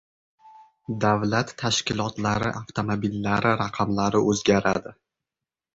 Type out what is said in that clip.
Davlat tashkilotlari avtomobillari raqamlari o‘zgaradi